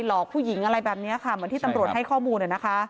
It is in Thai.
หลอกผู้หญิงอะไรแบบนี้ค่ะเหมือนที่ตำรวจให้ข้อมูล